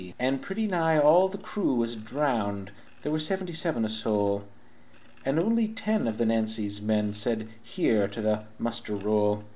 "And pretty nigh all o' the crew was drowned (There was seventy seven o' soul), And only ten of the Nancy's men Said 'Here!' to the muster roll.